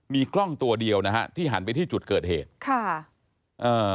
มีกล้องตัวเดียวนะฮะที่หันไปที่จุดเกิดเหตุค่ะเอ่อ